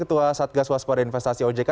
ketua satgas waspada investasi ojk